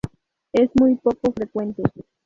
Es muy poco frecuente.